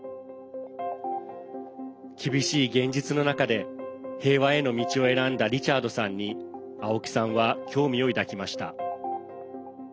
厳しい現実の中で平和への道を選んだリチャードさんに青木さんは興味を抱きました。